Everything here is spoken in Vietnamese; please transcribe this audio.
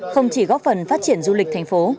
không chỉ góp phần phát triển du lịch thành phố